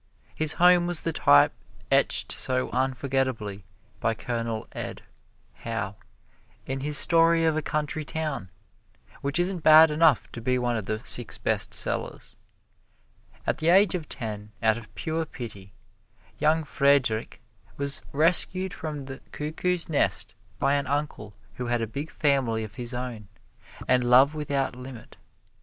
His home was the type etched so unforgetably by Colonel Ed. Howe in his "Story of a Country Town," which isn't bad enough to be one of the Six Best Sellers. At the age of ten, out of pure pity, young Friedrich was rescued from the cuckoo's nest by an uncle who had a big family of his own and love without limit.